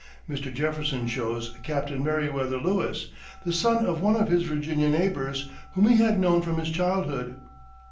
Mr. Jefferson chose Captain Meriwether Lewis, the son of one of his Virginia neighbors, whom he had known from his childhood.